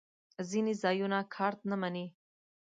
ځینې ځایونه کارت نه منی